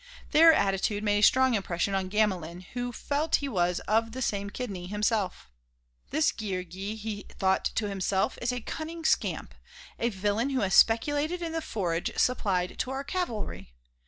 Their attitude made a strong impression on Gamelin who felt he was of the same kidney himself. "This Guillergues," he thought to himself, "is a cunning scamp, a villain who has speculated in the forage supplied to our cavalry.